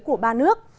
của ba nước